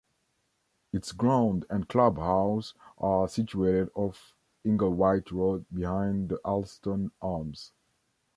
Its ground and clubhouse are situated off Inglewhite Road, behind the Alston Arms.